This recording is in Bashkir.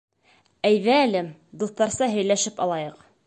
Әйҙә әле, дуҫтарса һөйләшеп алайыҡ.